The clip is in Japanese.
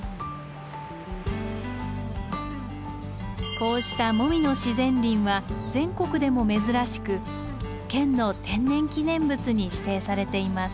こうしたモミの自然林は全国でも珍しく県の天然記念物に指定されています。